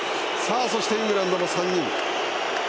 そしてイングランドも、３人。